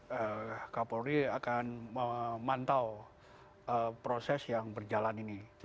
pak kapolri akan memantau proses yang berjalan ini